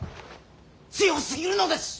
強すぎるのです。